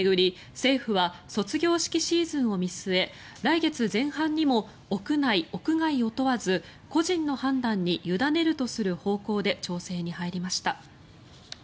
政府は卒業式シーズンを見据え来月前半にも屋内・屋外を問わず個人の判断に委ねるとする方向で調整に入りました。